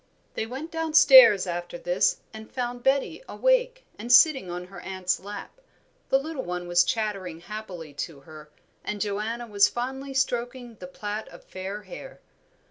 They went downstairs after this, and found Betty awake and sitting on her aunt's lap. The little one was chattering happily to her, and Joanna was fondly stroking the plait of fair hair.